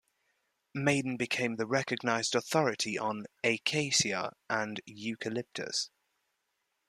Maiden became the recognised authority on "Acacia" and "Eucalyptus".